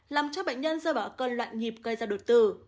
làm cho bệnh nhân dơ bỏ cơn loạn nhịp gây ra đột tử